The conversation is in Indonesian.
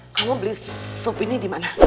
kamu beli sup ini dimana